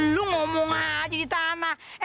lu ngomong aja di tanah